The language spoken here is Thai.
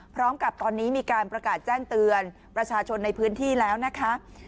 พร้อมกับตอนนี้มีการประกาศแจ้งเตือนประชาชนในพื้นที่แล้วนะคะ